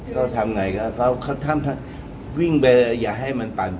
ก็ทำยังไงกะเข้าคำวิ่งไปอย่าให้มันต่างครบ